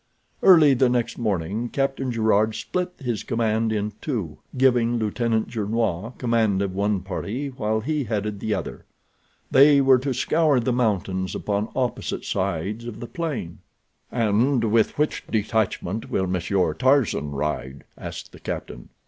Early the next morning Captain Gerard split his command in two, giving Lieutenant Gernois command of one party, while he headed the other. They were to scour the mountains upon opposite sides of the plain. "And with which detachment will Monsieur Tarzan ride?" asked the captain.